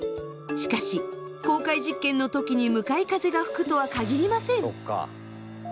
しかし公開実験の時に向かい風が吹くとは限りません。